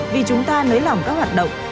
vì chúng ta lấy lỏng các hoạt động